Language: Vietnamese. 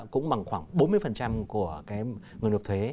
cũng bằng khoảng bốn mươi của người nộp thuế